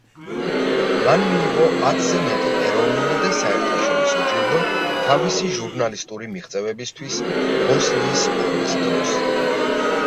მან მიიღო ათზე მეტი ეროვნული და საერთაშორისო ჯილდო თავისი ჟურნალისტური მიღწევებისთვის, ბოსნიის ომის დროს.